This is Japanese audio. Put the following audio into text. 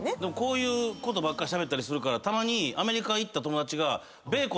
でもこういうことばっかしゃべったりするからたまにアメリカ行った友達が。